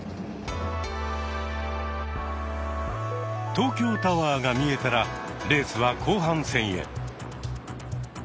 東京タワーが見えたらレースは後半戦へ。